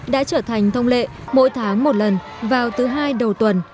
đã trở thành thông lệ mỗi tháng một lần vào thứ hai đầu tuần